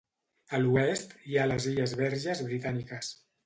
A l'oest hi ha les illes Verges Britàniques.